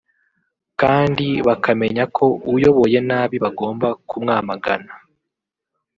kandi bakamenya ko uyoboye nabi bagomba kumwamagana